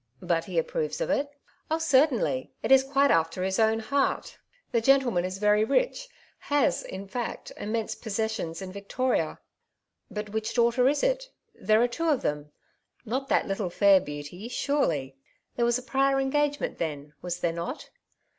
*' But he approves of it ?" "Oh, certainly; it is quite after Lis own heart* 202 " Two Sides to every Question^ The gentleman is very rich — ^has, in fact^ immense possessions in Victoria/' '^ But which daughter is it ? there are two of them. Not that little fair beauty, surely ? There was a prior engagement then, was there not